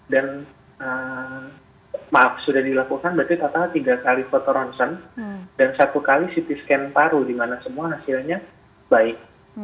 dan maaf sudah dilakukan berarti total tiga kali foto ronsen dan satu kali ct scan paru di mana semua hasilnya baik